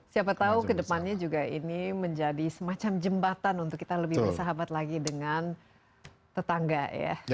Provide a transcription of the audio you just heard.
siapa tahu ke depannya juga ini menjadi semacam jembatan untuk kita lebih bersahabat lagi dengan tetangga ya